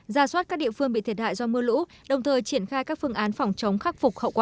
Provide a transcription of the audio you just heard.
ra soát các địa phương bị thiệt hại do mưa lũ đồng thời triển khai các phương án phòng chống khắc phục hậu quả